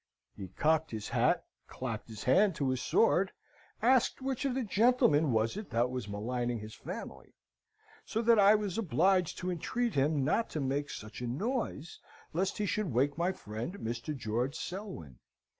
"He cocked his hat, clapped his hand to his sword, asked which of the gentleman was it that was maligning his family? so that I was obliged to entreat him not to make such a noise, lest he should wake my friend, Mr. George Selwyn.